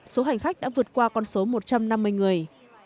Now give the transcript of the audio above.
số hành khách đã vượt qua con số một trăm năm mươi người